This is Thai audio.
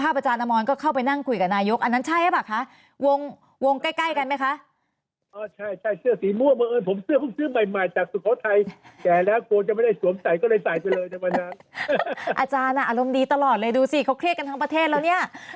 อาจารย์คุยไปอันนี้เป็นอะไรครับว่าอย่างไร